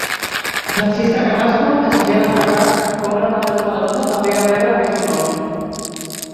Francisca Carrasco, que s'havia destacat com una patriota valerosa, també va rebre aquest honor.